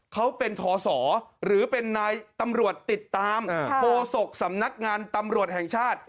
เขาเป็นทศหรือเป็นนายตำรวจติดตามโฆษกสำนักงานตำรวจแห่งชาติ